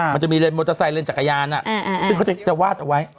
มันจะมีเลนมอเตอร์ไซค์เลนจักรยานซึ่งเขาจะวาดเอาไว้